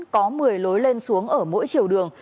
có một mươi lối lên xuống ở mỗi chiều đường